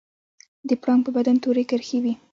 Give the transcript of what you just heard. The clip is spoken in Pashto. د پړانګ په بدن تورې کرښې وي